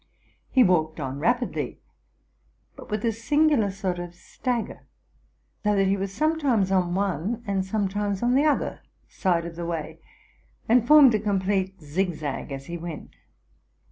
He walked on rapidly, but with a singular sort of stagger; so that he was sometimes on one and some times on the other side of the way, and formed a complete zigzag as he went.